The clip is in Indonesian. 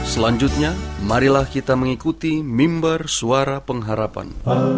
selanjutnya marilah kita mengikuti member suara pengharapan